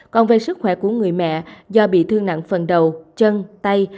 còn về sức khỏe của người mẹ do bị thương nặng phần đầu chân tay